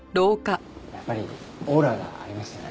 やっぱりオーラがありましたね。